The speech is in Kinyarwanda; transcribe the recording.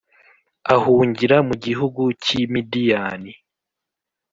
ahungira mu gihugu cy i Midiyani